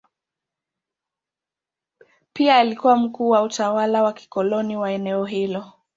Pia alikuwa mkuu wa utawala wa kikoloni wa eneo hilo.